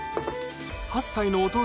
８歳の弟